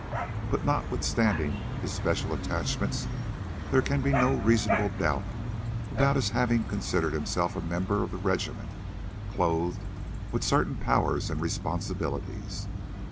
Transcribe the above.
But, notwithstanding his special attachments, there can be no reasonable doubt about his having considered himself a member of the regiment, clothed with certain powers and responsibilities.